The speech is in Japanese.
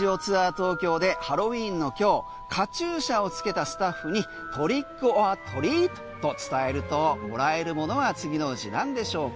東京でハロウィーンの今日カチューシャをつけたスタッフにトリック・オア・トリートと伝えるともらえるものは次のうちなんでしょうか。